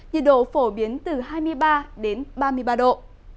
nhiệt độ phổ biến từ hai mươi ba đến ba mươi ba độ